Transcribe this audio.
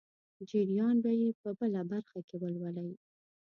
جریان به یې په بله برخه کې ولولئ.